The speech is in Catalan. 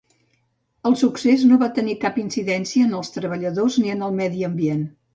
El succés no va tenir cap incidència en els treballadors ni en el medi ambient.